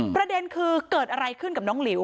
ประเด็นคือเกิดอะไรขึ้นกับน้องหลิว